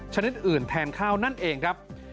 ชนิดอื่นแทนข้าวนั่นเองครับ